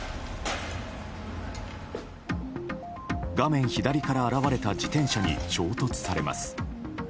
画面左から現れた自転車に衝突されます。